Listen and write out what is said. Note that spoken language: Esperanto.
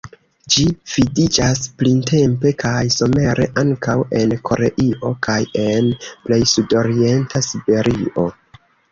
Ĝi vidiĝas printempe kaj somere ankaŭ en Koreio kaj en plej sudorienta Siberio.